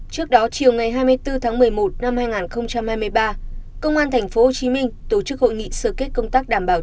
trước đó chiều ngày hai mươi bốn tháng một mươi một năm hai nghìn hai mươi ba công an thành phố hồ chí minh tổ chức hội nghị sơ kết công tác đảm bảo y tế